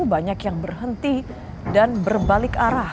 banyak yang berhenti dan berbalik arah